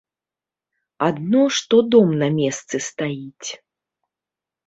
Адно што дом на месцы стаіць.